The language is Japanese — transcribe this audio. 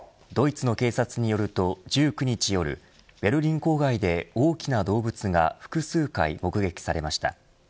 ドイツの警察によると１９日夜ベルリン郊外で大きな動物が複数回目撃されました。